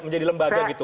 menjadi lembaga gitu